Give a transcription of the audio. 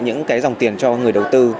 những cái dòng tiền cho người đầu tư